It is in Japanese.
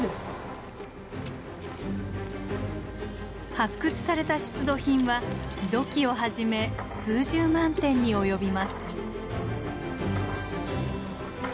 発掘された出土品は土器をはじめ数十万点に及びます。